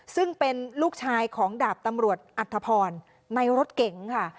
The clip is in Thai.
ซึ่งเป็นลูกชายของดาบตำรวจอัธพรในรถเก๋งค่ะ